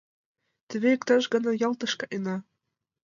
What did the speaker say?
— Теве иктаж гана Ялтыш каена.